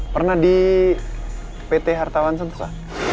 pernah di pt hartawan semua